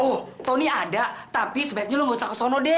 oh tony ada tapi sebaiknya lo gak usah kesono deh